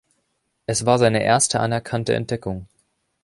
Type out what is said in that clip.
Es war seine erste anerkannte Entdeckung.